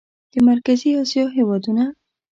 د مرکزي اسیا هېوادونه